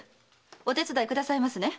お手伝いくださいますね？